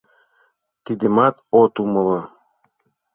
— Тидымат от умыло?